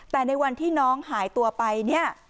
แต่ในวันที่น้องหายตัวไปเนี่ย